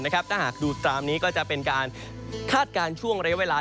ถ้าหากดูตามนี้ก็จะเป็นการคาดการณ์ช่วงระยะเวลา